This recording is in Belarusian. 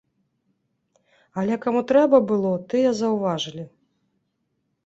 Але каму трэба было, тыя заўважылі.